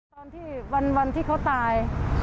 ตอนที่วันที่เขาตาย